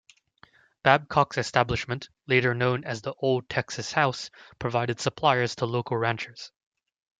Babcock's establishment, later known as the Old Texas House, provided supplies to local ranchers.